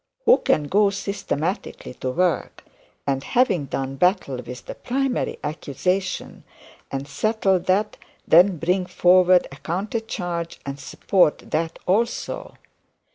Who can go systematically to work, and having done battle with the primary accusation and settled that, then bring forward a counter charge and support that also?